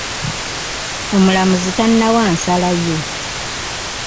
Omulamuzi tannawa nsala ye.